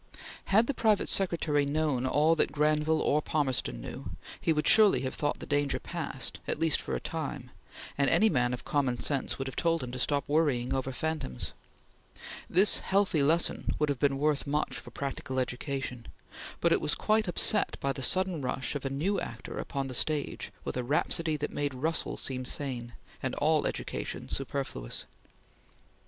Had the private secretary known all that Granville or Palmerston knew, he would surely have thought the danger past, at least for a time, and any man of common sense would have told him to stop worrying over phantoms. This healthy lesson would have been worth much for practical education, but it was quite upset by the sudden rush of a new actor upon the stage with a rhapsody that made Russell seem sane, and all education superfluous.